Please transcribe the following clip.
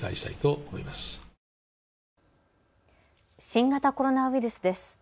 新型コロナウイルスです。